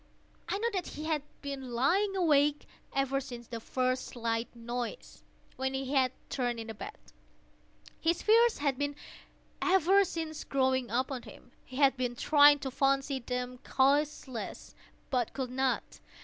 I knew that he had been lying awake ever since the first slight noise, when he had turned in the bed. His fears had been ever since growing upon him. He had been trying to fancy them causeless, but could not.